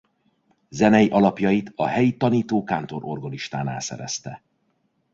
Zenei alapjait a helyi tanító-kántor-orgonistánál szerezte.